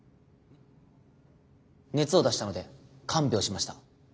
熱を出したので看病しました。